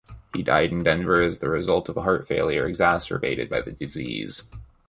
He died in Denver as the result of heart failure exacerbated by the disease.